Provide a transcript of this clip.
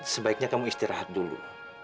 sebaiknya kamu istirahat dulu